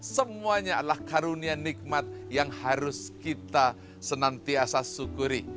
semuanya adalah karunia nikmat yang harus kita senantiasa syukuri